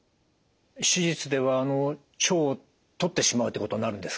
手術では腸を取ってしまうってことになるんですか？